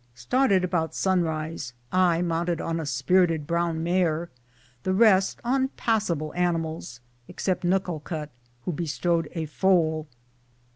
Started about sunrise, I mounted on a spirited brown mare, the rest on passable animals, except Nuckalkut, who bestrode a foal.